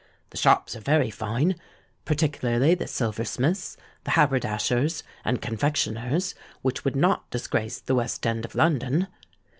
The shops are very fine—particularly the silversmiths', the haberdashers', and confectioners', which would not disgrace the West End of London.